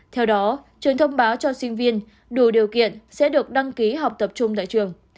theo đó trường thông báo cho sinh viên đủ điều kiện sẽ được đăng ký học tập trung tại trường